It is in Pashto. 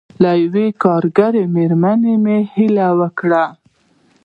له یوې کارګرې مېرمنې مې هیله وکړه.